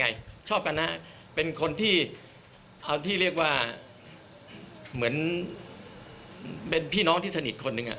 ชอบกันนะเป็นคนที่เอาที่เรียกว่าเหมือนเป็นพี่น้องที่สนิทคนหนึ่งอ่ะ